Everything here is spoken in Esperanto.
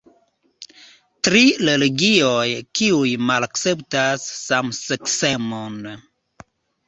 Tri religioj kiuj malakceptas samseksemon.